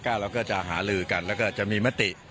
ชาติพระหลากรก็จะหาลือกันแล้วก็จะมีมติ